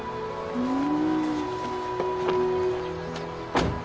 うん。